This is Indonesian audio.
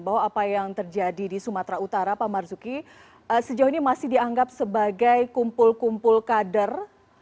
bahwa apa yang terjadi di sumatera utara pak marzuki sejauh ini masih dianggap sebagai kumpul kumpul kader